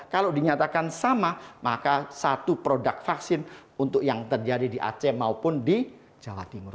kalau dinyatakan sama maka satu produk vaksin untuk yang terjadi di aceh maupun di jawa timur